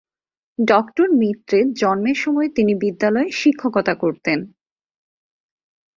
Doctor মিত্রের জন্মের সময়ে তিনি বিদ্যালয়ে শিক্ষকতা করতেন।